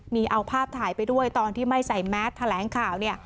มีเอาภาพถ่ายไปด้วยตอนที่ไม่ใส่แมสแถลงข่าวเนี่ย